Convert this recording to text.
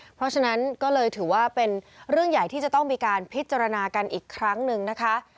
เพราะฉะนั้นก็เลยถือว่าเป็นเรื่องใหญ่ที่จะต้องมีการพิจารณากันอีกครั้งหนึ่งนะคะ